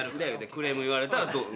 クレーム言われたら。